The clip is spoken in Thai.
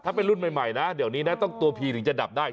ถ้าเป็นรุ่นใหม่นะเดี๋ยวนี้นะต้องตัวพีถึงจะดับได้